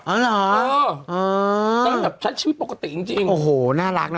อ๋อเหรออ๋อตั้งแบบชั้นชีวิตปกติจริงจริงโอ้โหน่ารักเนอะ